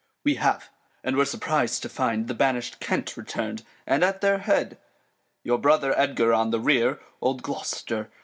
We have, and were surpriz'd to find The banish'd Kent return'd, and at their Head ; Your Brother Edgar on the Rear ; old Gloster